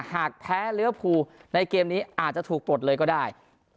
หากแพ้เลี้ยวภูในเกมนี้อาจจะถูกปลดเลยก็ได้